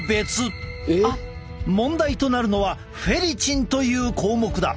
問題となるのはフェリチンという項目だ。